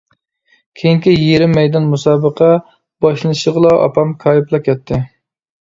كېيىنكى يېرىم مەيدان مۇسابىقە باشلىنىشىغىلا ئاپام كايىپلا كەتتى.